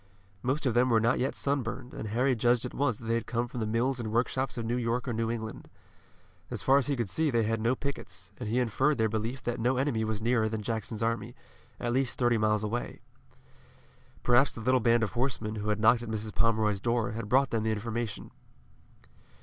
Most of them were not yet sunburned, and Harry judged at once that they had come from the mills and workshops of New York or New England. As far as he could see they had no pickets, and he inferred their belief that no enemy was nearer than Jackson's army, at least thirty miles away. Perhaps the little band of horsemen who had knocked at Mrs. Pomeroy's door had brought them the information.